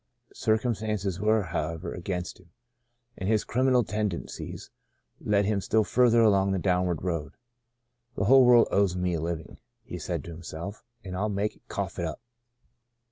Circumstances were, how ever, against him, and his criminal tenden cies led him still further along the downward road. " The whole world owes me a living," he said to himself, " and I'll make it ' cough up.'